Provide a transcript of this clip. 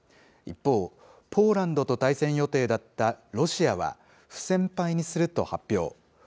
一方、ポーランドと対戦予定だったロシアは、不戦敗にすると発表。